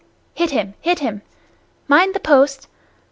(Hit him, hit him!) Mind the post!